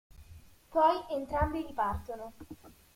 Poi entrambi ripartono.